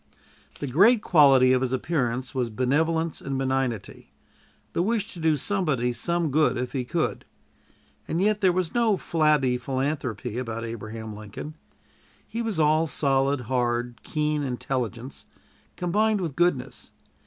The great quality of his appearance was benevolence and benignity: the wish to do somebody some good if he could; and yet there was no flabby philanthropy about Abraham Lincoln. He was all solid, hard, keen intelligence combined with goodness.